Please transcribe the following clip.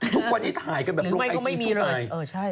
ทุกวันนี้ถ่ายกันแบบลงไอจีสุดายหรือไม่ก็ไม่มีเลย